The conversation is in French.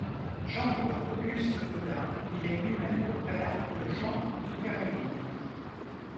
Gendre d'Auguste Gaudin, il est lui-même beau-père de Jean Zuccarelli.